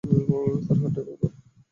তার হাতটা এভাবে ধর।